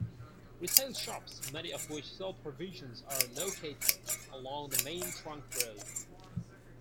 Retail shops, many of which sell provisions, are located along the main trunk road.